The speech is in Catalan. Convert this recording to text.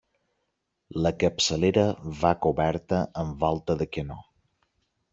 La capçalera va coberta amb volta de canó.